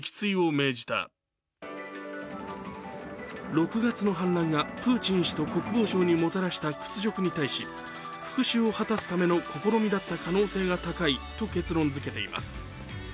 ６月の反乱がプーチン氏と国防省にもたらした屈辱に対し復しゅうを果たすための試みだったと結論づけています。